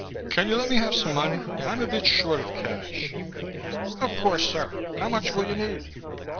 Can you let me have some money? I'm a bit short of cash." "Of course, sir. How much will you need?"